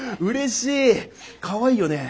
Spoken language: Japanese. かわいいよねえ。